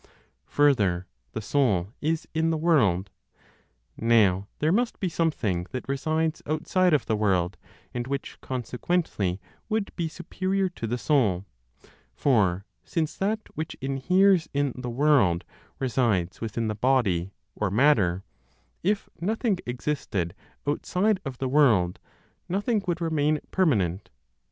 Further, the Soul is in the world; now there must be something that resides outside of the world, and which consequently would be superior to the Soul; for since that which inheres in the world resides within the body, or matter, if nothing existed outside of the world, nothing would remain permanent.